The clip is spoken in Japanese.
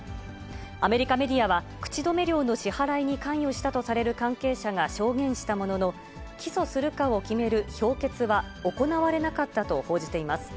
アメリカメディアは、口止め料の支払いに関与したとされる関係者が証言したものの、起訴するかを決める評決は行われなかったと報じています。